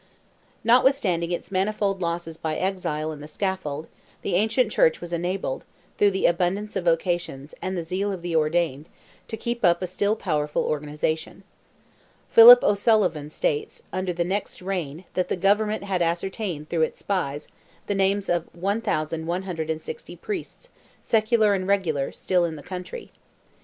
Notwithstanding its manifold losses by exile and the scaffold, the ancient Church was enabled, through the abundance of vocations, and the zeal of the ordained, to keep up a still powerful organization. Philip O'Sullivan states, under the next reign that the government had ascertained through its spies, the names of 1,160 priests, secular and regular, still in the country.